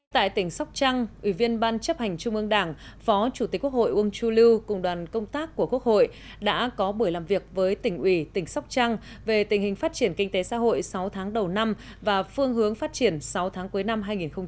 tại tỉnh sóc trăng ủy viên ban chấp hành trung ương đảng phó chủ tịch quốc hội uông chu lưu cùng đoàn công tác của quốc hội đã có buổi làm việc với tỉnh ủy tỉnh sóc trăng về tình hình phát triển kinh tế xã hội sáu tháng đầu năm và phương hướng phát triển sáu tháng cuối năm hai nghìn hai mươi